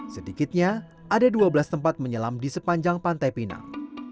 sedikitnya ada dua belas tempat menyelam di sepanjang pantai pinang